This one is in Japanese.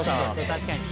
確かに。